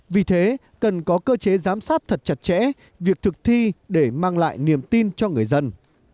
vì thế cần có cơ chế giám sát thật chặt chẽ việc thực thi để mang lại niềm tin cho người dân